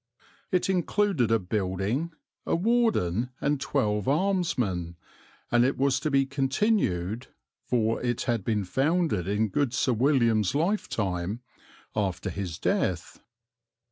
It included a building, a warden, and twelve almsmen, and it was to be continued for it had been founded in good Sir William's lifetime after his death.